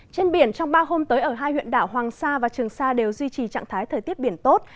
trên biển trong ba hôm tới ở hai huyện đảo hoàng sa và trường sa đều duy trì trạng thái thời tiết biển tốt